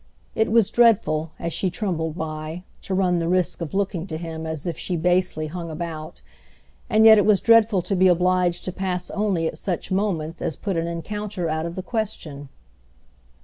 It was dreadful, as she trembled by, to run the risk of looking to him as if she basely hung about; and yet it was dreadful to be obliged to pass only at such moments as put an encounter out of the question.